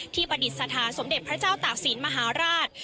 ประดิษฐานสมเด็จพระเจ้าตากศิลป์มหาราช